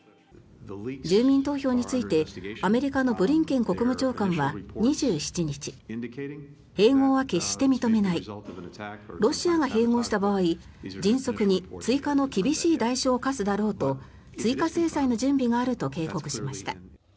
住民投票について、アメリカのブリンケン国務長官は２７日併合は決して認めないロシアが併合した場合迅速に追加の厳しい代償を科すだろうと追加制裁の準備があると警告しました。